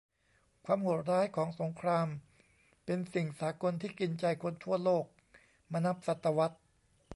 ความโหดร้ายของสงครามเป็นสิ่งสากลที่กินใจคนทั่วโลกมานับศตวรรษ